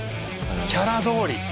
キャラどおり。